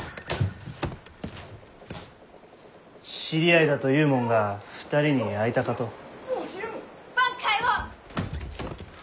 知り合いだという者が２人に会いたかと。